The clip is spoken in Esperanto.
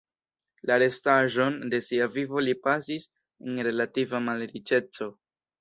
La restaĵon de sia vivo li pasis en relativa malriĉeco.